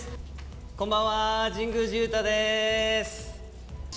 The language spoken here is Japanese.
こんばんは、神宮寺勇太です。